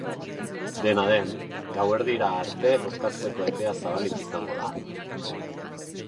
Dena den, gauerdira arte bozkatzeko epea zabalik izango da.